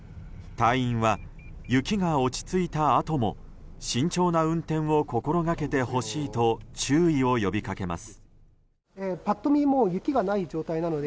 隊員は、雪が落ち着いたあとも慎重な運転を心掛けてほしいと注意を呼びかけます。